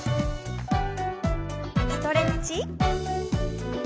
ストレッチ。